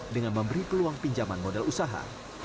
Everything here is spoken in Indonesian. dengan memberi peluang pinjaman modal usaha